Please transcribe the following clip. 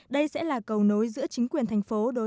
đây sẽ là cầu nối giữa chính quyền thành phố